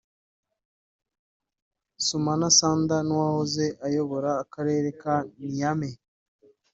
Soumana Sanda n’uwahoze ayobora Akarere ka Niamey